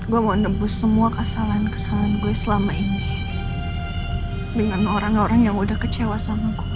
gue mau nebus semua kesalahan kesalahan gue selama ini dengan orang orang yang udah kecewa samaku